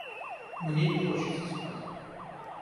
Мне не хочется спать.